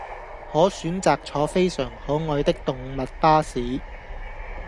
可選擇坐非常可愛的動物巴士